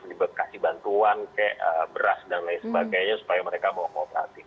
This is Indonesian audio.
dikasih bantuan kayak beras dan lain sebagainya supaya mereka mau kooperatif